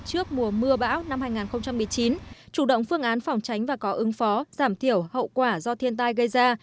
trước mùa mưa bão năm hai nghìn một mươi chín chủ động phương án phòng tránh và có ứng phó giảm thiểu hậu quả do thiên tai gây ra